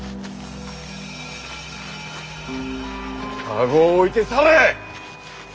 駕籠を置いて去れ！